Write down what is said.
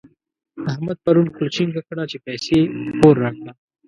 احمد پرون خوله چينګه کړه چې پيسې پور راکړه.